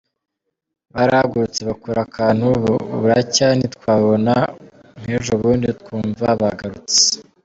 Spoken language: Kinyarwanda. Barahagurutse bakora akantu buracya ntitwababona nkejobundi twumva bagarutse.